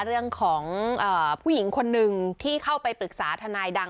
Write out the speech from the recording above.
เรื่องของผู้หญิงคนหนึ่งที่เข้าไปปรึกษาทนายดัง